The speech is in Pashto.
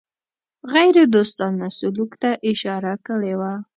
غیردوستانه سلوک ته اشاره کړې وه.